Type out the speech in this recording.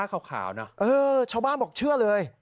เออชมบ้านบอกเชื่อเลย